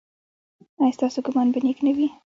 ایا ستاسو ګمان به نیک نه وي؟